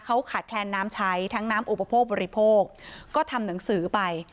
เขาขาดแคลนน้ำใช้ทั้งน้ำอุปโภคบริโภคก็ทำหนังสือไป